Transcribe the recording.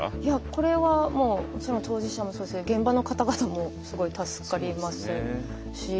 これはもうもちろん当事者もそうですし現場の方々もすごい助かりますし。